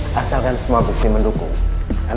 kami tidak akan menghadapi dokter alih kanker